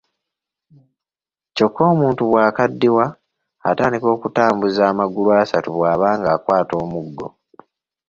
Kyokka omuntu bw'akaddiwa atandika okutambuza amagulu asatu bw'aba ng'akwata omuggo.